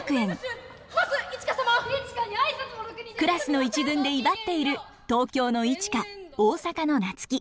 クラスの一軍で威張っている東京のイチカ大阪のナツキ。